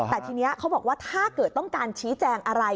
แต่ทีนี้เขาบอกว่าถ้าเกิดต้องการชี้แจงอะไร